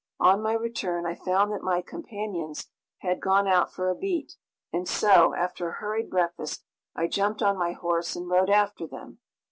On my return I found that my companions had gone out for a beat, and so, after a hurried breakfast, I jumped on my horse and rode after them.